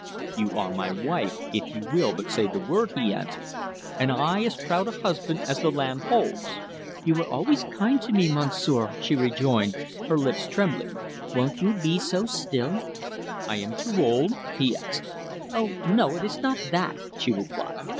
"You are my wife, if you will but say the word," he answered, "and I as proud a husband as the land holds!" "You were always kind to me, Monsieur," she rejoined, her lips trembling; "won't you be so still?" "I am too old?" he asked. "Oh no, it is not that," she replied.